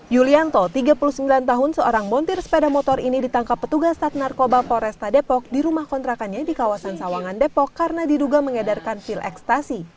yulianto tiga puluh sembilan tahun seorang montir sepeda motor ini ditangkap petugas sat narkoba polresta depok di rumah kontrakannya di kawasan sawangan depok karena diduga mengedarkan pil ekstasi